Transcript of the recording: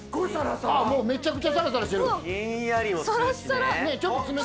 めちゃくちゃサラサラしてる。